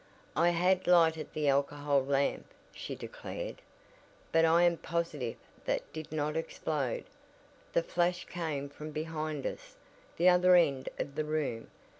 "I had lighted the alcohol lamp," she declared, "but I am positive that did not explode. The flash came from behind us the other end of the room.